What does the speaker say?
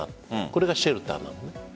これがシェルターなのね。